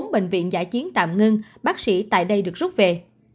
bốn bệnh viện giải chiến tạm ngưng bác sĩ tại đây được rút về